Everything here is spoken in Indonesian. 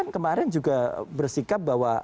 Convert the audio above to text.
kemarin juga bersikap bahwa